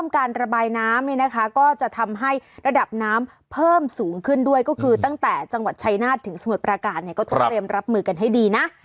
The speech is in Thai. ก็จะทำให้ระดับน้ำเพิ่มสูงขึ้นด้วยก็คือตั้งแต่จังหวัดชัยหน้าถึงสมุดประกาศก็ต้องเรียบรับมือกันให้ดีนะ